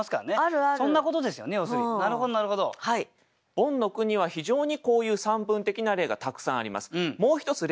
ボンの句には非常にこういう散文的な例がたくさんあります。